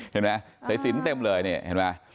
เห็นไหมสายสินเต็มเลยนี่เห็นไหม